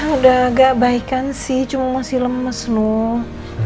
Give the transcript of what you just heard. udah agak baikan sih cuma masih lemes loh